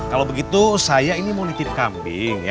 kalau begitu saya ini mau nitip kambing